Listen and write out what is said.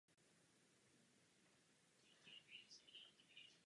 A samozřejmě také zanikla Western Canada Hockey League.